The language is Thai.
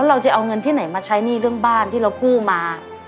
เราจะเอาเงินที่ไหนมาใช้หนี้เรื่องบ้านที่เรากู้มา